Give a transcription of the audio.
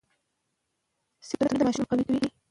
صحتمند خواړه د ماشوم قوت زیاتوي.